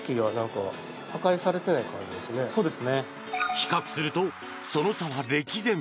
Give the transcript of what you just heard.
比較するとその差は歴然。